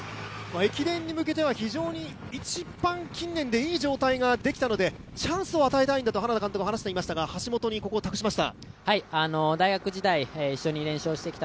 駅伝に向けては一番近年でいい状態ができたのでチャンスを与えたいんだと、花田監督は話していましたが、橋本にここを託しました。